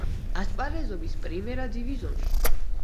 ასპარეზობს პრიმერა დივიზიონში.